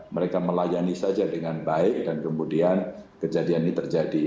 mereka melayani saja dengan baik dan kemudian kejadian ini terjadi